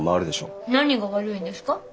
何が悪いんですか？